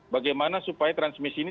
bagaimana supaya transmisi ini